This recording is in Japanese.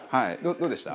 どうでした？